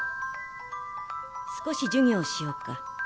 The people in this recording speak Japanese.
少し授業をしようか。